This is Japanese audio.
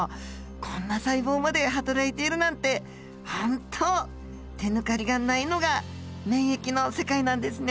こんな細胞まではたらいているなんてほんと手抜かりがないのが免疫の世界なんですね。